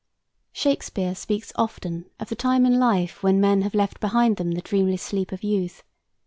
Shakespeare speaks often of the time in life when men have left behind them the dreamless sleep of youth.